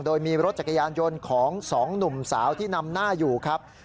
โดยมีรถจักรยานยนต์ของสองหนุ่มสาวที่นำหน้าอยู่ครับ